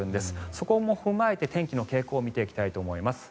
そこも踏まえて天気の傾向を見ていきたいと思います。